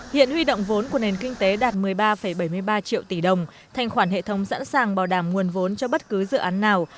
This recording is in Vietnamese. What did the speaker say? hiện huy động vốn của nền kinh tế đạt một mươi ba bảy mươi ba triệu tỷ đồng thành khoản hệ thống sẵn sàng bảo đảm nguồn vốn cho bất cứ dự án nào